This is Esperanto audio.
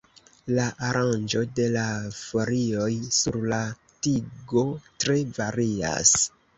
La aranĝo de la folioj sur la tigo tre varias.